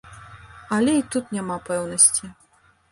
Але і тут няма пэўнасці.